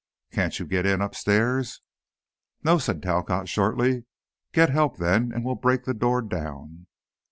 Can't you get in upstairs?" "No," said Talcott, shortly. "Get help, then, and break the door down."